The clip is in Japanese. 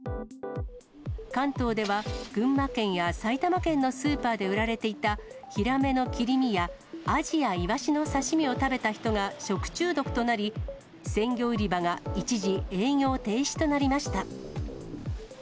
関東では、群馬県や埼玉県のスーパーで売られていたヒラメの切り身や、アジやイワシの刺身を食べた人が食中毒となり、鮮魚売り場が一時、営業停止となりました。